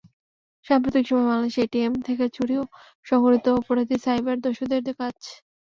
সাম্প্রতিক সময়ে বাংলাদেশে এটিএম থেকে চুরিও সংগঠিত অপরাধী সাইবার দস্যুদের কাজ।